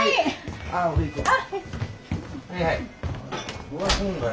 はいはい。